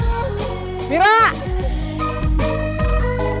mau bicara sama siapa